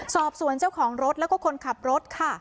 สอบสวนเจ้าของรถแล้วก็คนขับรถค่ะ